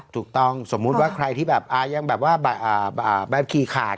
ถูกต้องสมมุติว่าใครที่แบบยังแบบว่าแบบขี่ขาด